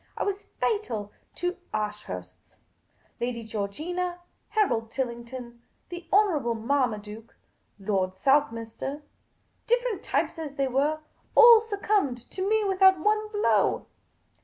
I was fatal to Ashursts. Lady Georginn, Harold Tillington, the Honourable Marmaduke, Lord South minster— different types as they were — all succumbed to me without one blow.